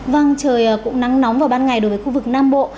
vâng trời cũng nắng nóng vào ban ngày đối với khu vực nam bộ